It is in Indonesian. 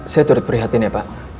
saya turut prihatin ya pak